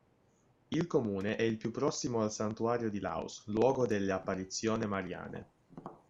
Il comune è il più prossimo al Santuario di Laus, luogo delle apparizione mariane.